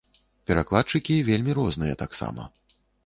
Перакладчыкі вельмі розныя таксама.